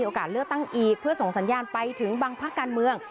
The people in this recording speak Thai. เลือกตั้งอีกเพื่อส่งสัญญาณไปถึงบางภาคการเมือง